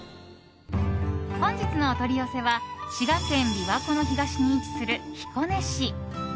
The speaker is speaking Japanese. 本日のお取り寄せは滋賀県琵琶湖の東に位置する彦根市。